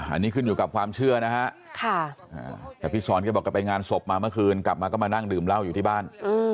อันนี้ขึ้นอยู่กับความเชื่อนะฮะแต่พี่สอนแกบอกแกไปงานศพมาเมื่อคืนกลับมาก็มานั่งดื่มเหล้าอยู่ที่บ้าน